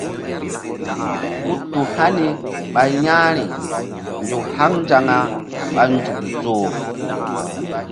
Ku tu hani ɓa ƴa̧h ri nzuk haŋ nzaŋa ɓa nzuk zoh.